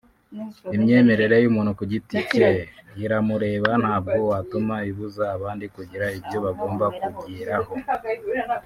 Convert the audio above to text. Imyemerere y’umuntu ku giti cye iramureba ntabwo watuma ibuza abandi kugira ibyo bagomba kugeraho